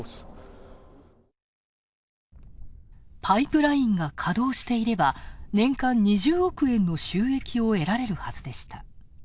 パイプラインが稼働していれば年間２０億円の収益を得られるはずでした。